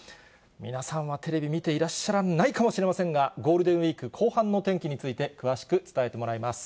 皆さんはテレビ見ていらっしゃらないかもしれませんが、ゴールデンウィーク後半の天気について、詳しく伝えてもらいます。